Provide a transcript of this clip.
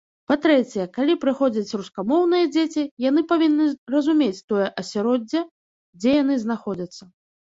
Па-трэцяе, калі прыходзяць рускамоўныя дзеці, яны павінны разумець тое асяроддзе, дзе яны знаходзяцца.